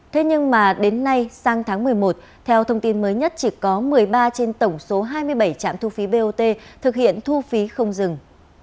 thế nhưng mà đến nay sang tháng một mươi một theo thông tin mới nhất chỉ có một mươi ba trên tổng số hai mươi bảy trạm thu phí bot thực hiện thu phí không dừng